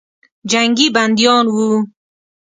جنګي بندیان ول.